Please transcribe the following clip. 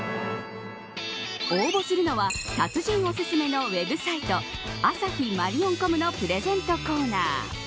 応募するのは達人のおすすめのＷＥＢサイト朝日マリオンコムのプレゼントコーナー。